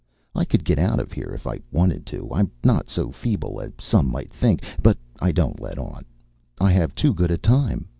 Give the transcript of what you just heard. I could get out of here if I wanted to. I'm not so feeble as some might think. But I don't let on. I have too good a time.